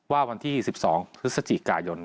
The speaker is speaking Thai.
ว่าวันที่๑๒ศึษจิกายน